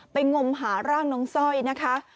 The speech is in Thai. ไปงมหาร่างน้องซ่อยนะคะ